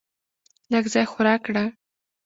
لږ ځای خو راکړه .